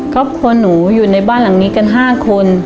ครอบครัวหนูอยู่ในบ้านหลังนี้กัน๕คน